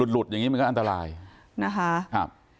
หลุดอย่างนี้มันก็อันตรายนะคะครับ